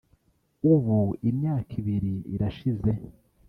“Ubu imyaka ibiri irashize